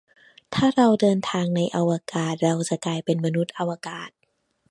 ถ้าเราเดินทางไปในอวกาศ เราจะกลายเป็นมนุษย์อวกาศ